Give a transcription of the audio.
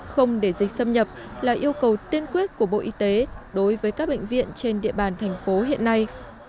không để dịch xâm nhập là yêu cầu tiên quyết của bộ y tế đối với các bệnh viện trên địa bàn thành phố hiện nay